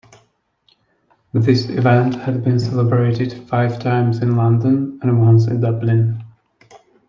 This Event had been celebrated five times in London and once in Dublin.